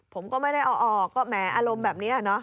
ผมก็ไม่ได้เอาออกก็แหมอารมณ์แบบนี้เนอะ